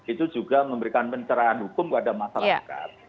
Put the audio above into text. itu juga memberikan pencerahan hukum kepada masyarakat